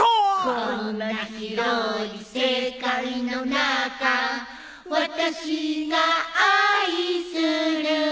「こんな広い世界の中私が愛する人なら」